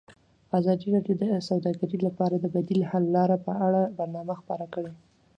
ازادي راډیو د سوداګري لپاره د بدیل حل لارې په اړه برنامه خپاره کړې.